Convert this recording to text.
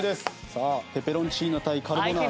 さあペペロンチーノ対カルボナーラ。